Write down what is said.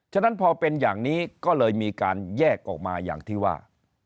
ฉะนั้นพอเป็นอย่างนี้ก็เลยมีการแยกออกมาอย่างที่ว่า